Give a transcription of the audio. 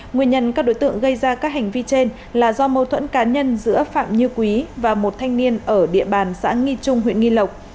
nguyên nhân các đối tượng gây ra các hành vi trên là do mâu thuẫn cá nhân giữa phạm như quý và một thanh niên ở địa bàn xã nghi trung huyện nghi lộc